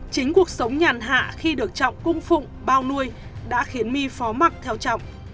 chính cuộc sống nhàn hạ khi được trọng cung phụng bao nuôi đã khiến my phó mặt theo trọng